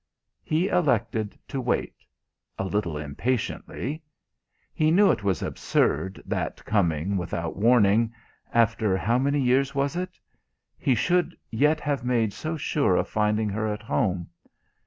He elected to wait a little impatiently. He knew it was absurd that coming, without warning after how many years was it? he should yet have made so sure of finding her at home.